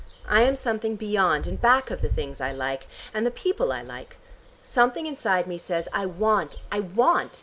I am something beyond and back of the things I like, and the people I like. Something inside me says 'I want: I want.'